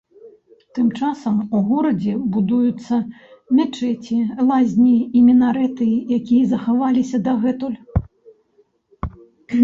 Тым часам у горадзе будуюцца мячэці, лазні і мінарэты, якія захаваліся дагэтуль.